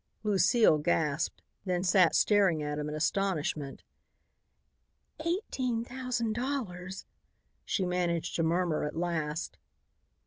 Lucile gasped, then sat staring at him in astonishment. "Eighteen thousand dollars!" she managed to murmur at last.